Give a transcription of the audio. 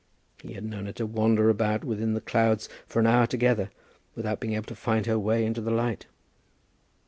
He had known her to wander about within the clouds for an hour together, without being able to find her way into the light.